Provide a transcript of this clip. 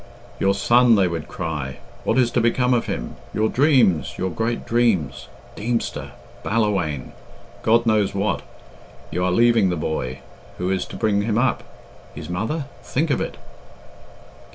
"Your son!" they would cry. "What is to become of him? Your dreams! Your great dreams! Deemster! Ballawhaine! God knows what! You are leaving the boy; who is to bring him up? His mother? Think of it!"